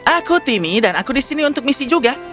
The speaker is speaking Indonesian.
aku timmy dan aku disini untuk misi juga